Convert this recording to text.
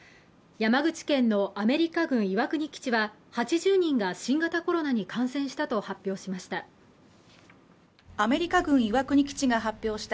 山口県のアメリカ軍岩国基地は８０人が新型コロナに感染したと発表しました。